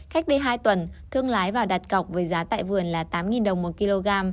cách đây hai tuần thương lái vào đặt cọc với giá tại vườn là tám đồng một kg